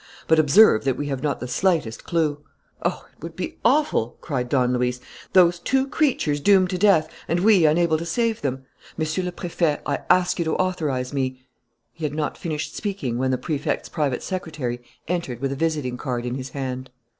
But observe that we have not the slightest clue." "Oh, it would be awful!" cried Don Luis. "Those two creatures doomed to death; and we unable to save them! Monsieur le Préfet, I ask you to authorize me " He had not finished speaking when the Prefect's private secretary entered with a visiting card in his hand.